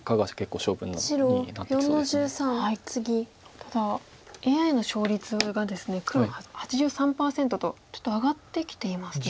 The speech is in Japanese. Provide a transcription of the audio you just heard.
ただＡＩの勝率がですね黒８３％とちょっと上がってきていますね。